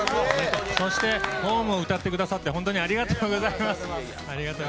そして「ｈｏｍｅ」を歌ってくださって本当にありがとうございます。